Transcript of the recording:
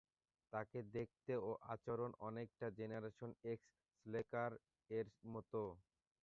তাকে দেখতে এবং আচরণ অনেকটা জেনারেশন এক্স স্লেকার এর মত।